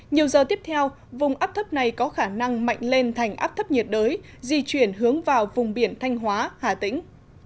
nhiều giờ tiếp theo vùng áp thấp này có khả năng mạnh lên thành áp thấp nhiệt đới di chuyển hướng vào vùng biển thanh hóa hà tĩnh